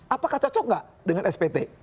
apakah cocok nggak dengan spt